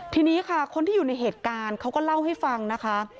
ทีนี้ค่ะคนที่อยู่ในเหตุการณ์เขาก็เล่าให้ฟังนะคะ